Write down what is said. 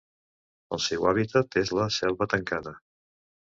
El seu hàbitat és la selva tancada.